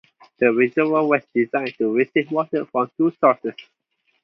The reservoir was designed to receive water from two sources.